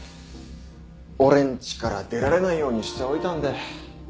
俺んちから出られないようにしておいたんで。